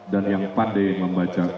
dan yang pandai membaca